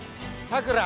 さくら